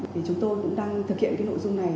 vì vậy chúng tôi cũng đang thực hiện nội dung này